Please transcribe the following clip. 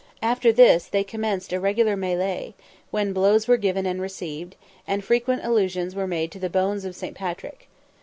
After this they commenced a regular mêlée, when blows were given and received, and frequent allusions were made to "the bones of St. Patrick."